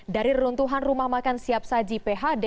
dari reruntuhan rumah makan siap saji phd